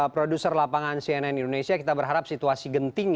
produser lapangan cnn indonesia kita berharap situasi genting